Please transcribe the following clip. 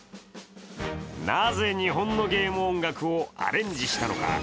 なぜ日本のゲーム音楽をアレンジしたのか。